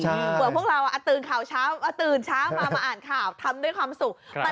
เหมือนพวกเราตื่นเช้ามามาอ่านข่าวทำด้วยความสุข